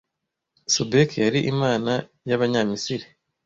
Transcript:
Sobek yari imana y'Abanyamisiri